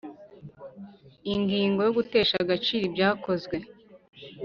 Ingingo ya Gutesha agaciro ibyakozwe